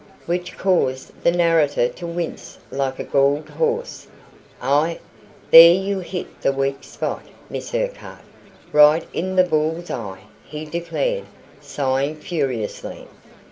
which caused the narrator to wince like a galled horse. "Ah, there you hit the weak spot, Miss Urquhart, right in the bull's eye," he declared, sighing furiously.